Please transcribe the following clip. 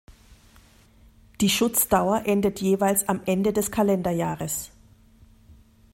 Die Schutzdauer endet jeweils am Ende des Kalenderjahres.